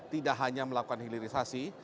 tidak hanya melakukan hilirisasi